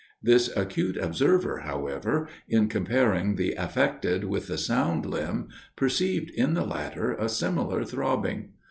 This acute observer, however, in comparing the affected with the sound limb, perceived in the latter a similar throbbing.